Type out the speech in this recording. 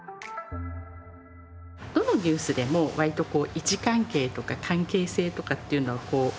どのニュースでも割と位置関係とか関係性とかっていうのはこう。